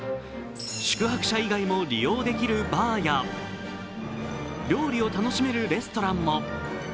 宿泊者以外も利用できるバーや料理を楽しめるレストランも。